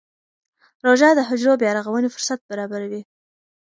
روژه د حجرو بیا رغونې فرصت برابروي.